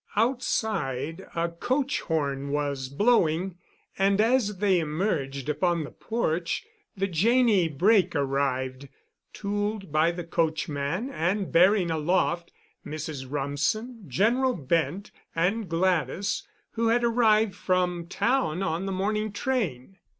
Outside a coach horn was blowing, and, as they emerged upon the porch the Janney brake arrived, tooled by the coachman and bearing aloft Mrs. Rumsen, General Bent, and Gladys, who had arrived from town on the morning train.